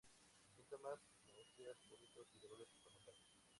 Síntomas: náuseas, vómitos y dolores estomacales.